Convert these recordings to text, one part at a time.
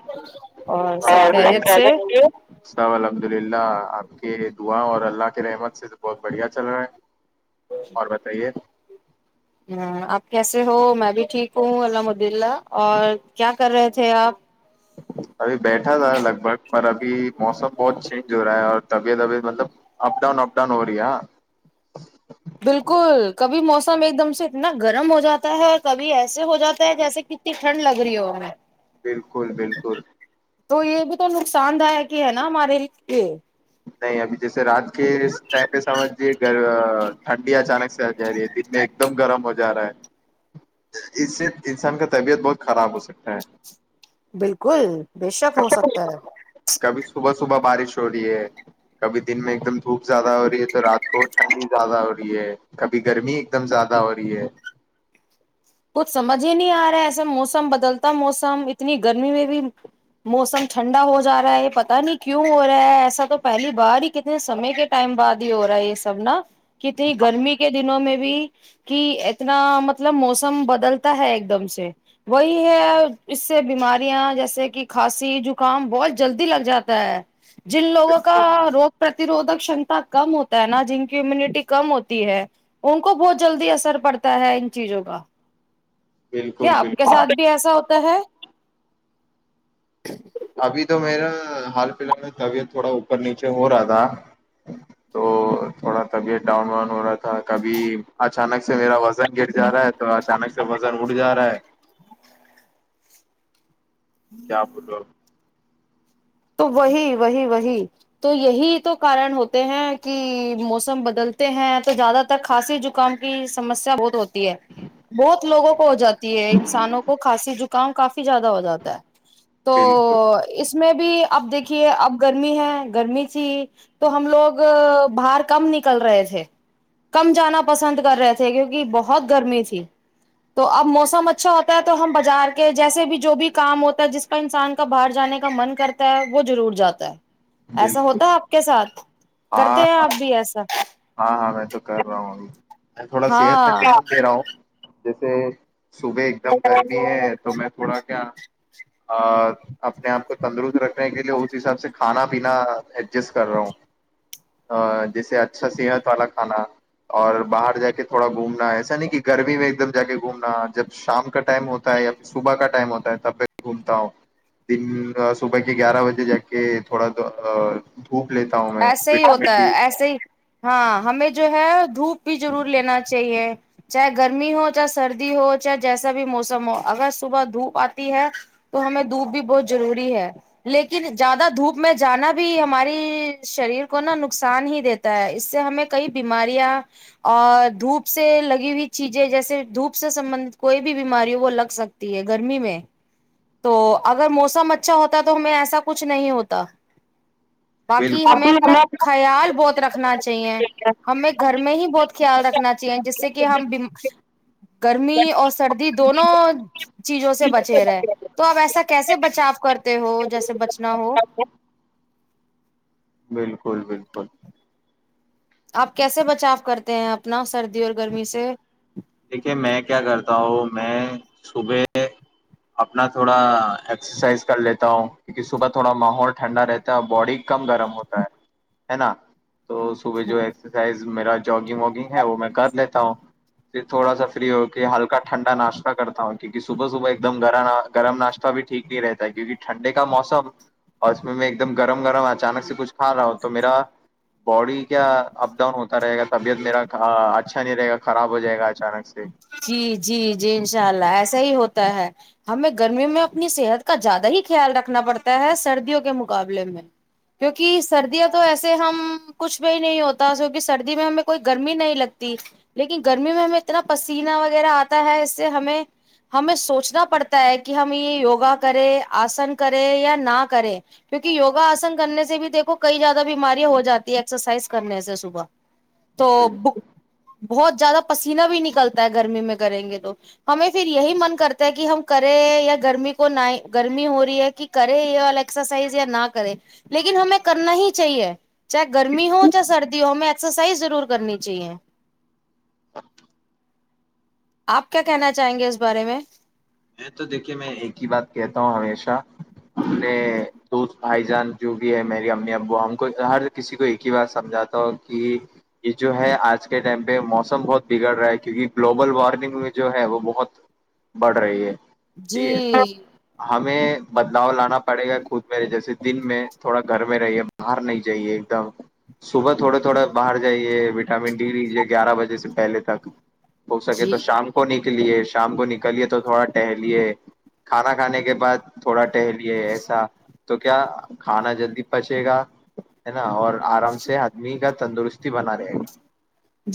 ہچ حمدلہ [inaudible] اللہ آپ کے دعا اور اللہ کے رحمت سے تو بہت بڑھیا چل رہا ہے اور بتائیے ہ آپ کیسے ہو میں بھی ٹھیک ہوں الحمدلہ اور کیا کر رہے تھے آپ ابھی بیٹھا تھا لگ بھگ پر ابھی موسم بہت چینج ہو رہا ہے اور طبیعت ابیت مطلب اپ ڈاؤن اپ ڈاؤن ہو رہی ہے بالکل کبھی موسم ایک دم سے اتنا گرم ہو جاتا ہے اور کبھی ایسے ہو جاتا ہے جیسے کتنی ٹھنڈ لگ رہی ہو ہمیں بالکل بالکل تو یہ بھی تو نقصان داائک ہی ہے نا ہمارے یہ نہیں ابھی جیسے رات کے ٹائم پہ سمجھے گ ٹھنڈی اچانک سے آ جا رہی ہے دن میں ایک دم گرم ہو جا رہا ہے اس سے انسان کا طبیعت بہت خراب ہو سکتا ہے بالکل بے شک ہو سکتا ہے کبھی صبح صبح بارش ہو رہی ہے کبھی دن میں ایک دم دھوپ زیادہ ہو رہی ہے تو رات کو ٹھنڈی زیادہ ہو رہی ہے کبھی گرمی ایک دم زیادہ ہو رہی ہے کچھ سمجھ ہی نہیں آ رہا ہے ایسا موسم بدلتا موسم اتنی گرمی میں بھی موسم ٹھنڈا ہو جا رہا ہے پتا نہیں کیوں ہو رہا ہے ایسا تو پہلی بار ہی کتنے سمے کے ٹائم بعد ہی ہو رہا ہے یہ سب نا کتنی گرمی کے دنوں میں بھی کہ اتنا مطلب موسم مسم بدلتا ہے ایک دم سے وہی ہے اس سے بیماریاں جیسے کہ کھانسی زکام بہت جلدی لگ جاتا ہے جن لوگوں کا بالکل روگ پر پرتیروھک شمتا کم ہوتا ہے نا جن کی امیونٹی کم ہوتی ہے ان کو بہت جلدی اثر پڑتا ہے ان چیزوں کا کیا بالکل آپ کے ساتھ بالکل بھی ایسا ہوتا ہے ھم ابھی تو میرا حال فی الحال میں طبیعت تھوڑا اوپر نیچے ہو رہا تھا تو تھوڑا طبیعت ڈاؤن واؤن ہو رہا تھا کبھی اچانک سے میرا گر جا ہے تو اچانک سے ب مڑ ج رہ کیا بولولو تو وہی وہی وہی تو یہی تو کارن ہوتے ہیں کہ موسم بدلتے ہیں تو زیادہ تر کھانسی زکام کی سمسیا بہت ہوتی ہے بہت لوگوں کو ہو جات ہے انسانوں کو کھسی جک گؤں کاف زیادہ ہو جاتا ہے تو بالکل اس میں بھی اب دیکھیے اب گرمی ہے گرمی تھی تو ہم لوگ باہر کم نکل رہے تھے کم جانا پسند کر رہے تھے کیونکہ بہت گرمی تھی تو اب موسم اچھا ہوتا ہے تو ہم بازار کے جیسے بھی جو بھی کام ہوتا ہے جس کا انسان کا باہر جانے کا من کرتا وہ ضرور جاتا ہے ایسا بالکل ہوتا آپ کے ساتھ ہاں کرتے ہیں آپ ہاں بھی ایسا ہاں ہاں میں تو کر رہا ہوں ہاں میں تھوڑا صحت میں ہاں دیک دے رہا ہوں جیسے صبح ایک دم گرمی ہے تو میں تھوڑا کیا اپنے آپ کو تندرست رکھنے کے لیے اس حساب سے کھانا پینا ایڈجسٹ کر رہا ہوں ا جیسے اچھا صحت والا کھانا اور باہر جا کے تھوڑا گھومنا ایسا نہیں کہ گرمی میں ایک دم جا کے گھومنا جب شام کا ٹائم ہوتا ہے یا پھر صبح کا ٹائم ہوتا ہے تب بھی گھومتا ہوں دن صبح کے گیارہ بجے جا کے تھوڑا تو بھوپ لیتا ہوں میں ایسے ہوتا ہے ایسے ہی ہاں ہمیں جو ہے دھوپ بھی ضرور لینا چاہیے چاہے گرمی ہو چاہے سردی ہو چاہے جیسا بھی موسم ہو اگر صبح دھوپ آتی ہے تو ہمیں دھوپ بھی بہت ضروری ہے لیکن زیادہ دھوپ میں جانا بھی ہماری شریر کو نا نقصان ہی دیتا ہے اس سے ہمیں کئی بیماریاں اور دھوپ سے لگی ہوئی چیزیں جیسے دھوپ سے سبندت کوئی بھی بیماری ہو وہ لگ سکتی ہے گرمی میں تو اگر موسم اچھا ہوتا تو ہمیں ایسا کچھ نہیں ہوتا کہ ہمیں اپنا خیال بہت رکھنا چاہیے ہمیں گھر میں ہی بہت خیال رکھنا چاہیے جس سے کہ ہم گرمی اور سردی دونوں چیزوں سے بچے رہے تو آپ ایسا کیسے بچاؤ کرتے ہو جیسے بچنا ہو بالکل بالکل آپ کیسے بچاؤ کرتے ہیں اپنا سردی اور گرمی سے دیکھیے میں کیا کرتا ہوں میں صبح اپنا تھوڑا ایکسرسائز کر لیتا ہوں کیونکہ صبح تھوڑا ماحول ٹھنڈا رہتا ہے باڈی کم گرم ہوتا ہے ہے نا تو صبح جو ایکسرسائز میرا جگنگ واگنگ ہے وہ میں کر لیتا ہوں پھر تھوڑا سا فری ہو کے ہلکا ٹھنڈا ناشتہ کرتا ہوں کیونکہ صبح صبح ایک دم گ گرم ناشتہ بھی ٹھیک نہیں رہتا ہے کیونکہ ٹھنڈے کا موسم اور اس میں ایک دم گرم گرم اچانک سے کچھ کھا رہا ہوں تو میرا باڈی کیا اپ ڈاؤن ہوتا رہے گا طبیعت میرا اچھا نہیں رہے گا خراب ہو جائے گاچ جی جی جی انشاء اللہ ایسا ہی ہوتا ہمیں گرمیوں میں اپنی صحت کا زیادہ ہی خیال رکھنا پڑتا ہے سردیوں کے مقابلے میں کیونکہ سردیاں تو ایسے ہم کچھ بھی ہی نہیں ہوتا کیکہ سردی میں ہمیں کوئی گرمی نہیں لگتی لیکن گرمی میں ہمیں اتنا پسیینہ وغیرہ آتا ہے اس سے ہمیں ہمیں سوچنا پڑتا ہے کہ ہم یہ یوگا کرے آسن کرے یا نہ کریں کیونکہ یوگا آسن کرنے سے بھی دیکو کئی زیادہ بیماریاں ہو جاتی ہے ایکسرسائز کرنے سے صبح تو میں بک بہت زیادہ پسند چینا بھی نکلتا ہے گرمی میں کریں گے تو ہمیں پھر یہی من کرتا ہے کہ ہم کریں یا گرمی کو گرمی ہو رہی ہے کہ کرے ایکسرسائز یا نہ کرے لیکن ہمیں کرنا ہی چاہیے چاہے گرمی ہو چاہے سردی ہو ہمیں ایکسرسائز ضرور کرنی چاہیے آپ کیا کہنا چاہیں گے اس بارے میں ا تو دیکھیے میں ایک ہی بات کہتا ہوں ہمیشہ نے دھ بھائی جان جو بھی ہے میری امی ابو ہم کو ہر کسی کو ایک ہی بات سمجھاتا ہو کہ یہ جو ہے آج کے ٹائم پہ موسم بہت بگڑ رہا ہے کیونکہ گلوبل وارمنگ میں جو ہے وہ بہت بڑھ رہی ہے جی ٹھیک ہے ہمیں بدلاؤ لانا پڑے گا خود میں جیسے دن میں تھوڑا گھر میں رہیے باہر نہیں جائیے ایک دم صبح تھوڑے تھوڑے باہر جائیے وٹامن ڈی لیجیے گیارہ بجے سے پہلے تک ب سکے تو جی شام کو نکل لیے شام کو نکلیے تو تھوڑا ٹہلیے کھانا کھانے کے بعد تھوڑا ہ لیے ایسا تو کیا کھانا جلدی پچے گا ہے نا اور آرام سے آدمی کا تندرستی بنا رہے گا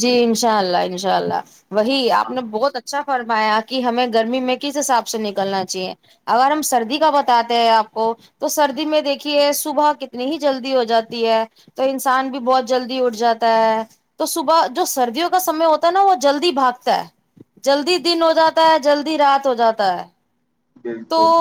جی انشاء اللہ انشاءلہ ان شاء اللہ وہی آپ نے بہت اچھا فرمایا کہ ہمیں گرمی میں کس حساب سے نکلنا چاہیے اگر ہم سردی کا بتاتے ہیں آپ کو تو سردی میں دیکھیے صبح کتنی ہی جلدی ہو جاتی ہے تو انسان بھی بہت جلدی اٹھ جاتا ہے تو صبح جو سردیوں کا سمے ہوتا ہے نا وہ جلدی بھاگتا ہے جلدی دن ہو جاتا ہے جلدی رات ہو جاتا ہے تو بالکل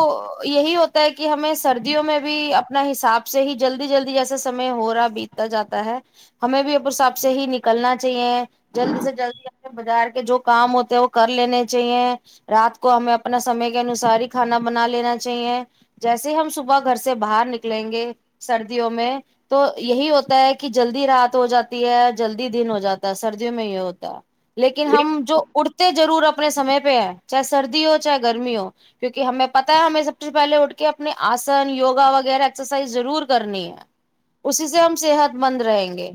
یہی ہوتا ہوتا ہے کہ ہمیں سردیوں میں بھی اپنا حساب سے ہی جلدی جلدی جیسا سم ہو رہا بیتتا جاتا ہے ہمیں بھی اپ حساب سے ہی نکلنا چ اہ جلدی سے جلدی آ بازار کے جو کام ہوتے ہیں وہ کر لینے چاہیے رات کو ہمیں اپنا سمے کے انوسار ہی کھانا بنا لینا چاہیے جیسے ہم صبح گھر سے باہر نکلیں گے سردیوں میں تو یہی ہوتا ہے کہ جلدی رات ہو جاتی ہے جلدی دن ہو جاتا ہے سردیوں میں یہ ہوتا ہے لیکن ہم جو اڑتے ضرور اپنے سمے پہ ہے چاہے سردی ہو چاہے گرمی ہو کیونکہ ہمیں پت ہے ہمیں سب سے پہلے اٹھ کے اپنے آسن یوگا وغیرہ ایکسرسائز ضرور کرنی ہے اسی سے ہم صحت مند رہیں گے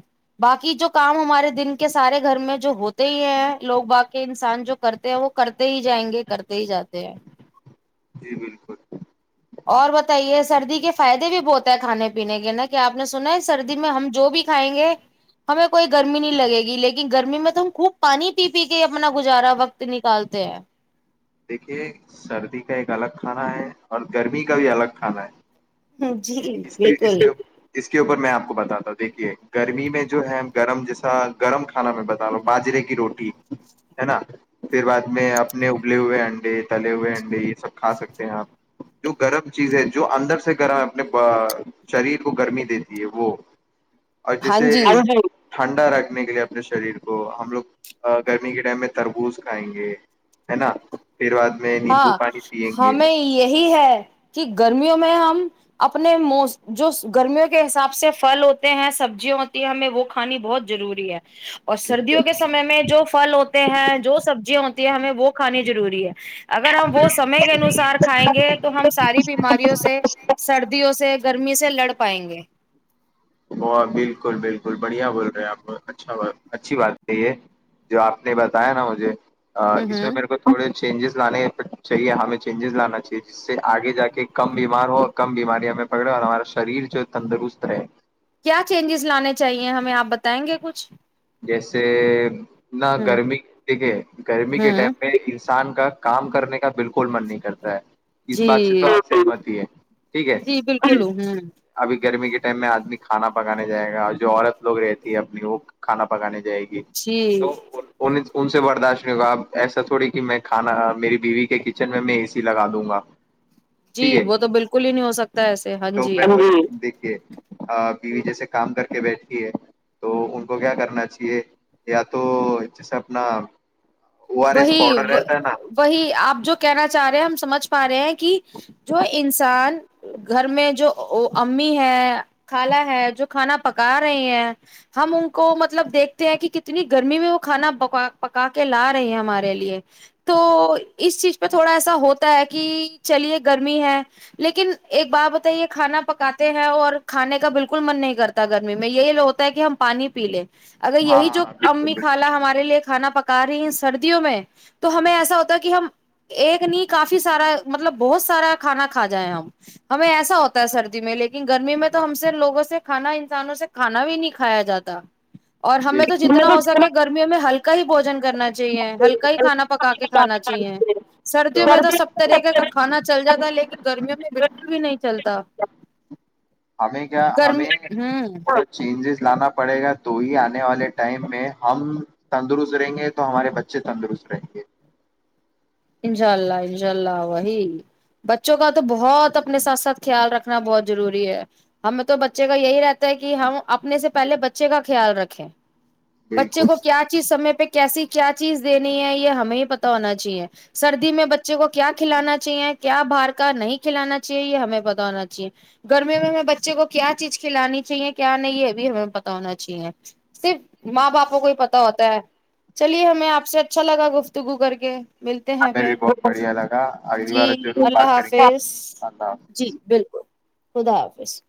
باقی جو کام ہمارے دن کے سارے گھر میں جو ہوتے ہی ہیں لوگ باقی انسان جو کرتے ہیں وہ کرتے ہی جائیں گے کرتے ہی جاتے ہیں جی بالکل اور بتائیے سردی کے فائدے بھی بہت ہے کھانے پینے کے نا کہ آپ نے سنا ہے سردی میں ہم جو بھی کھائیں گے ہمیں کوئی گرمی نہیں لگے گی لیکن گرمی میں تو ہم خوب پانی پی پی کے اپنا گزارا وقت نکالتے ہیں دیکھیے سردی کا ایک الگ کھانا ہے اور گرمی کا بھی الگ کھانا جی ہے اس بالکل اس کے اوپر میں آپ بتا ہ دیکھی گرمی میں جو ہے گرم جیسا گرم کھانا میں بتا لو باجرے کی روٹی ہے نا پھر بعد میں اپنے ا تلے ہوئے انڈے تلے ہوئے انڈے یہ سب کھا سکتے ہیں آپ جو گرم چیز ہے جو اندر سے گرم ہے اپنے شریر کو گرمی دیتی ہے وہ اور ہاں جیسے جی ٹھنڈا رکھنے کے لیے اپنے شریر کو ہم لوگ گرمی کے ٹائم میں تربوز کھائیں گے ہے نا بعد میں نیمبو ہاں پانی پیئیں گے ہمیں یہی ہے کہ گرمیوں میں ہم ہم اپنے م جو گرمیوں کے حساب سے پھل ہوتے ہیں سبزیاں ہوتی ہیں ہمیں وہ کھانی بہت ضروری ہے اور بالکل سردیوں کے سمے میں جو فھل ہوتے ہیں جو سبزیاں ہو ہمیں وہ کھانانی ضروری ہے اگر ہم وہ سمے کے انوسار کھائیں گے تو ہم ساری بیماریوں سے سردیوں سے گرمی سے لڑ پائیں گے وہ بالکل بالکل بڑھیا بول رہے ہیں آپ اچھا اچھی بات ہے یہ جو آپ نے بتایا نا مجھے ہوں اس میں ہوں میرے کو تھوڑے چینجز لانے چاہیے ہمیں چینجز لانا چاہیے جس سے آگے جا کے کم بیمار ہو کم بیماری ہمیں پکڑے اور ہمارا شریر جو تندرست رہے کیا چینجز لانے چاہیے ہمیں آپ بتائیں گے کچھ جیسے نہ ہوں گرمی دیکھے گرمی کے ہوں ٹائم میں انسان کا کام کرنے کا بالکل من نہیں کرتا ہے جی [unintelligible] ٹھیک ہے جی بالکل ابھی ہوں ہہم ابھی گرمی کے ٹائم میں آدمی کھانا پکانے جائے گا اور جو عورت لوگ رہتی ہے اپنی وہ کانا پکانے جائے گی جی تو انس ان سے برداشت نہیں ہوگا اب ایسا تھوڑی کہ میں کھانا میری بیوی کے کچن میں میں اے سی لگا دوں گا جی ٹھیک وہ ہے تو بالکل ہی نہیں ہو سکتا ایسے ہاں جی [unintelligible] بیوی جیسے کام کر کے بیٹھی ہے تو ان کو کیا کرنا چاہیے یا تو جیسے اپنا او آر ایس وہی پاؤڈر رہتا ہے نا وہی آپ جو کہنا چاہ رہے ہیں ہم سمجھ پا رہے ہیں کہ جو انسان گھر میں جو امی ہے خالا ہے جو کھانا پکا رہے ہیں ہم ان کو مطلب دیکھتے ہیں کہ کتنی گرمی میں وہ کھانا پا پکا کے لا رہ رہ ہمارے لیے تو اس چیز پہ تھوڑا ایسا ہوتا ہے کہ چلیے گرمی ہے لیکن ایک بات بتائیے کھانا پکاتے ہیں اور کھانے کا بالکل من نہیں کرتا گرمی میں یہ ہوتا ہے کہ ہم پانی پی لیں اگر یہی جو ہاں بالکل امی بالکل خالا ہمارے لیے کھانا پکا رہی ہیں سردیوں میں تو ہمیں ایسا ہوتا ہے کہ ہم ایک نہیں کافی سارا مطلب بہت سارا کھانا کھا جائیں ہم ہمیں ایسا ہوتا ہے سردی میں لیکن گرمی میں تو ہم سے لوگوں سے کھانا انسانوں سے کھانا بھی نہیں کھایا جاتا اور ہمیں تو جتنا ہو سکے گرمیوں میں ہلک ہی بوجن کرنا ہلکا ہی کھانا پکا کے کانا چاہیے سردیوں میں تو سب طریقے کا کھانا چل جاتا ہے لیکن گرمیوں میں بالکل بھی نہیں چلتا ہمیں کیا ہمیں گرمی ہوں کچھ چینجز لانا پڑے گا تو ہی آنے والے ٹائم میں ہم تندرست رہیں گے تو ہمارے بچے تندرست رہیں گے انشاء اللہ انشاء اللہ وہی بچوں کا تو بہت اپنے ساتھ ساتھ خیال رکھنا بہت ضروری ہے ہمیں تو بچے کا یہی رہتا ہے کہ ہم اپنے سے پہلے بچے کا خیال رکھیں بچے بالکل کو کیا چیز سمے پہ کیسی کیا چیز دینی ہے یہ ہمیں ہی پتا ہونا چاہیے سردی میں بچے کو کیا کھلانا چاہیے کیا باہار کا نہیں کھلانا چاہیے یہ ہمیں پتا ہونا چاہیے گرمیوں میں بچے کو کیا چیز کھلانی چاہیے کیا نہیں یہ بھی ہمیں پتتا ہونا چاہیے صرف ماں باپ کو ہی پتتا ہوتا ہے چلیے ہمیں آپ سے اچھا لگا گفتگو کر کے مل ہمیں بھی بہت بڑی لگا اگلی بار جی ضرور اللہ بات کریں گے حافظ اللہ جی حافظ بالکل خدا حافظ